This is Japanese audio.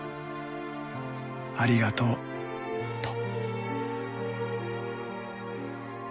ありがとうと」。